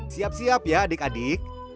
siap siap ya adik adik